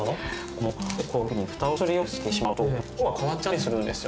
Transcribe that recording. もしこういうふうにフタをするようにしてしまうと色が変わっちゃったりするんですよね